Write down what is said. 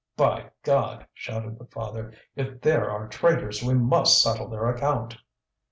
"By God!" shouted the father, "if there are traitors, we must settle their account."